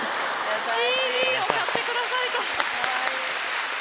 ＣＤを買ってくださいと。